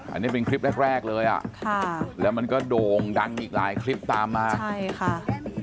อันนี้เป็นคลิปแรกแรกเลยอ่ะค่ะแล้วมันก็โด่งดังอีกหลายคลิปตามมาใช่ค่ะ